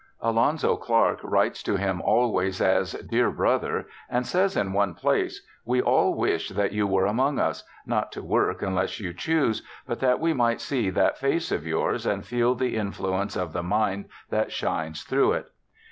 Alonzo Clark writes to him always as * Dear Brother ', and says in one place, ' We all wish that you 144 BIOGRAPHICAL ESSAYS were among us — not to work unless you choose, but that we might see that face of yours, and feel the influ ence of the mind that shines through it.'